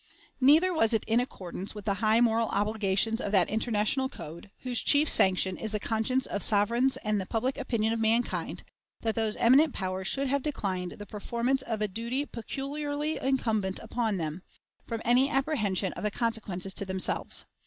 Neither was it in accordance with the high moral obligations of that international code, whose chief sanction is the conscience of sovereigns and the public opinion of mankind, that those eminent powers should have declined the performance of a duty peculiarly incumbent on them, from any apprehension of the consequences to themselves.